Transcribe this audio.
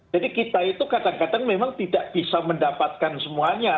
kita itu kadang kadang memang tidak bisa mendapatkan semuanya